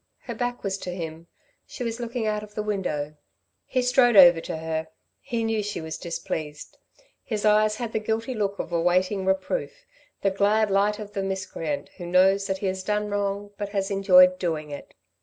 Her back was to him; she was looking out of the window. He strode over to her. He knew she was displeased. His eyes had the guilty look of awaiting reproof, the glad light of the miscreant who knows that he has done wrong but has enjoyed doing it.